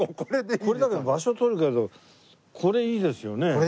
これだけど場所取るけどこれいいですよね。